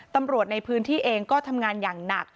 ตำรวจในพื้นที่เองก็ทำงานอย่างหนัก